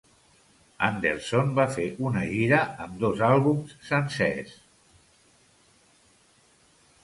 Anderson va fer una gira amb dos àlbums sencers.